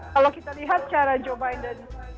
kalau kita lihat cara joe biden